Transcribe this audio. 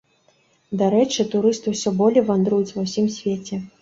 Дарэчы, турысты ўсё болей вандруюць ва ўсім свеце.